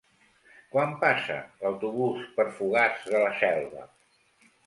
Quan passa l'autobús per Fogars de la Selva?